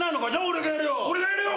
俺がやるよ！